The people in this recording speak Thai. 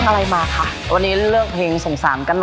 จ้าวรอคอย